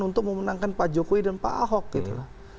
untuk memenangkan pak jokowi dan pak ahok gitu